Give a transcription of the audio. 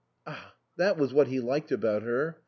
Ah, that was what he liked about her.